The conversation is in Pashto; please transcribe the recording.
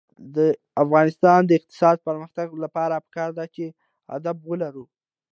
د افغانستان د اقتصادي پرمختګ لپاره پکار ده چې ادب ولرو.